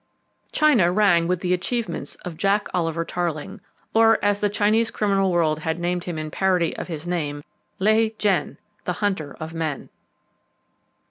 China rang with the achievements of Jack Oliver Tarling, or, as the Chinese criminal world had named him in parody of his name, "Lieh Jen," "The Hunter of Men."